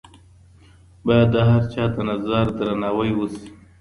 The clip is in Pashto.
بايد د هر چا د نظرياتو درناوی وسي.